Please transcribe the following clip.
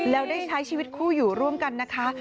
แล้วได้ใช้ชีวิตคู่อยู่ร่วมกันนะคะ